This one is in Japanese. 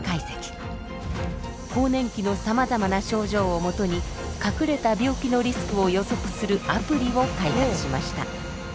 更年期のさまざまな症状を基に隠れた病気のリスクを予測するアプリを開発しました。